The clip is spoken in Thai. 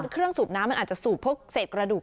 เครื่องสูบน้ำมันอาจจะสูบพวกเศษกระดูก